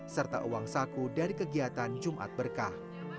serta uang saku dari kegiatan jumat berkah